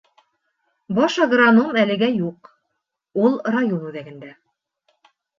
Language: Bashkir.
Баш агроном әлегә юҡ, ул район үҙәгендә.